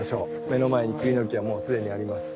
目の前にクリの木はもうすでにあります。